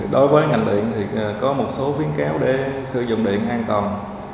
đối với ngành điện thì có một số phiến kéo để sử dụng điện an toàn